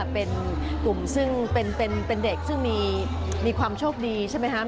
เป็นกลุ่มซึ่งเป็นเด็กซึ่งมีความโชคดีใช่ไหมครับ